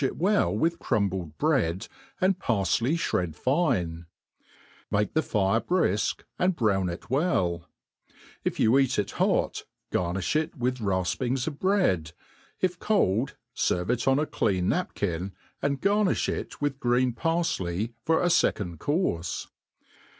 it well with crumbled bread and parfley , (bred fine ; make the fire briflc, and brown it welL If you e^t it hot, gar niih it with rafpings of bread ; if cold, ferve it on a .c/ean napkin, and garriiih it with green parfley for a fecond courfe.